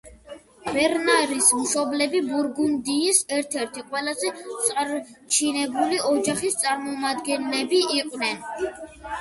ბერნარის მშობლები ბურგუნდიის ერთ-ერთი ყველაზე წარჩინებული ოჯახის წარმომადგენლები იყვნენ.